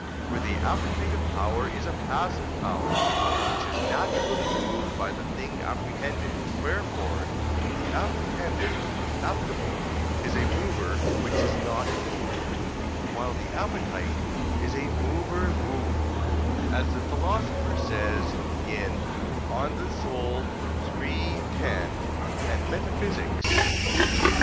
For the appetitive power is a passive power, which is naturally moved by the thing apprehended: wherefore the apprehended appetible is a mover which is not moved, while the appetite is a mover moved, as the Philosopher says in De Anima iii, 10 and Metaph. xii (Did.